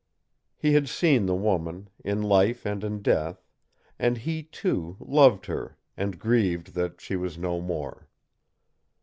He had seen the woman, in life and in death, and he, too, loved her and grieved that she was no more.